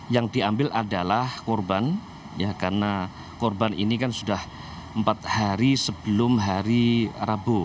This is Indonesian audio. yang diambil adalah korban karena korban ini kan sudah empat hari sebelum hari rabu